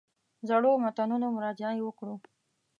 زړو متنونو مراجعې وکړو.